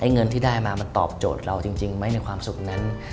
เงินที่ได้มามันตอบโจทย์เราจริงไหมในความสุขนั้น